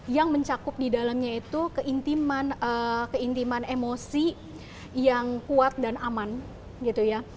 yang mencakup di dalamnya itu keintiman emosi yang kuat dan aman gitu ya